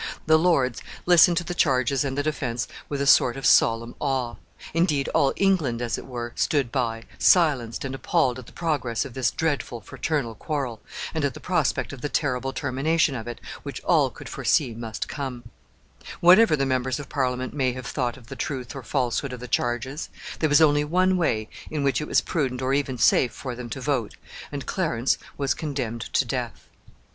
The lords listened to the charges and the defense with a sort of solemn awe. Indeed, all England, as it were, stood by, silenced and appalled at the progress of this dreadful fraternal quarrel, and at the prospect of the terrible termination of it, which all could foresee must come. [Illustration: THE MURDERERS COMING FOR CLARENCE.] Whatever the members of Parliament may have thought of the truth or falsehood of the charges, there was only one way in which it was prudent or even safe for them to vote, and Clarence was condemned to death.